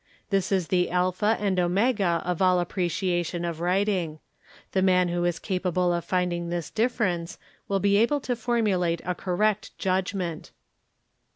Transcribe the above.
'This is the alpha and omega of all | appreciation of writing; the man who is capable of finding this difference / will be able to formulate a correct judgment.